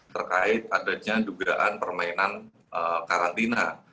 terkait adanya dugaan permainan karantina